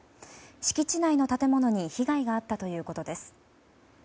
敷地内の建物に被害があったということです。